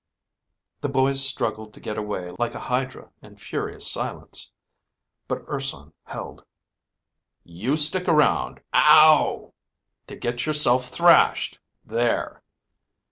The boy struggled to get away like a hydra in furious silence. But Urson held. "You stick around ... Owww!... to get yourself thrashed.... There."